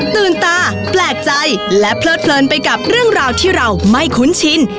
ตื่นตาแปลกใจและเพลิดเพลินไปกับเรื่องราวที่เราไม่คุ้นชิน